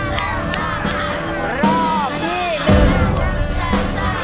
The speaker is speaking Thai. ยกที่๘นะครับ